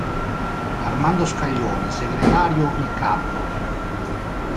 Armando Scaglione, segretario il cav.